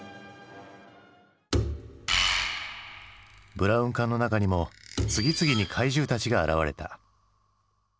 ブラウン管の中にも次々に怪獣たちが現れた。